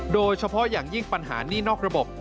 โดยเฉพาะอย่างยิ่งปัญหานี่นอกระบบ